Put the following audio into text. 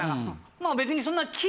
まあ別にそんな気ぃ